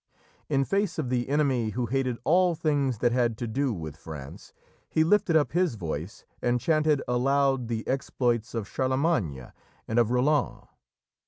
In face of the enemy who hated all things that had to do with France, he lifted up his voice and chanted aloud the exploits of Charlemagne and of Roland.